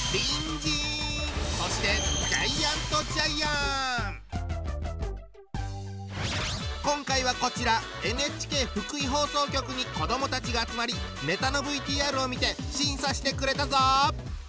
そして今回はこちらＮＨＫ福井放送局に子どもたちが集まりネタのＶＴＲを見て審査してくれたぞ！